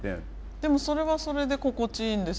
でもそれはそれで心地いいんですよね？